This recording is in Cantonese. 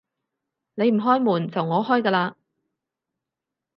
你唔開門，就我開㗎喇